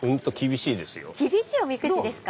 厳しいおみくじですか？